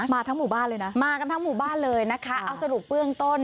มาทั้งหมู่บ้านเลยนะนะคะเอาสรุปเปื้องต้น